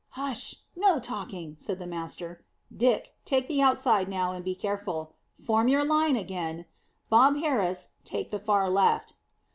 "Hush! No talking," said the master. "Dick, take the outside now, and be careful. Form your line again. Bob Harris, take the far left."